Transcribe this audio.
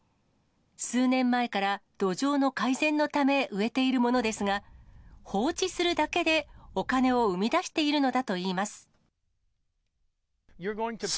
数年前から土壌の改善のため植えているものですが、放置するだけでお金を生み出しているのだといいます。